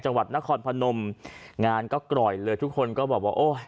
จังหวัดนครพนมงานก็กร่อยเลยทุกคนก็บอกว่าโอ้ย